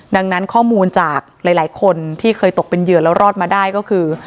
ดังนั้นข้อมูลจากหลายคนที่เคยตกเป็นเหยื่อแล้วรอดมาได้ก็คือ